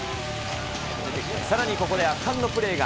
さらにここで圧巻のプレーが。